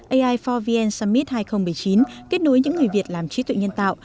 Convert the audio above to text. ai for vn summit hai nghìn một mươi chín kết nối những người việt làm trí tuệ nhân tạo